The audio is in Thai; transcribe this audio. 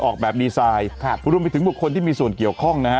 ออกแบบดีไซน์ครับรวมไปถึงบุคคลที่มีส่วนเกี่ยวข้องนะฮะ